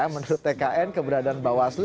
menurut tkn keberadaan bawah selus